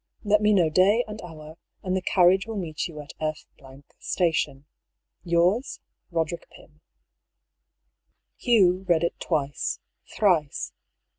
Let me know day and hour, and the carriage will meet you at F Station. "Yours, Eoderick Pym." Hugh read it twice, thrice.